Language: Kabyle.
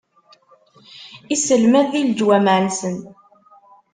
Isselmad di leǧwameɛ-nsen.